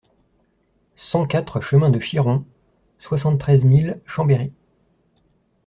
cent quatre chemin de Chiron, soixante-treize mille Chambéry